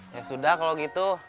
ya sudah kalau gitu